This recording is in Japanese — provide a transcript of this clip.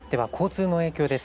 では、交通の影響です。